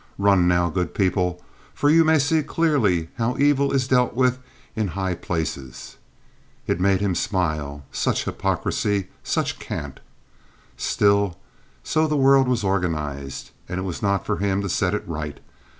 Run now, good people, for you may see clearly how evil is dealt with in high places! It made him smile. Such hypocrisy! Such cant! Still, so the world was organized, and it was not for him to set it right.